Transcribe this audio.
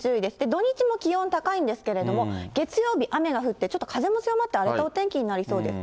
土日も気温高いんですけれども、月曜日、雨が降って、ちょっと風も強まって荒れたお天気になりそうです。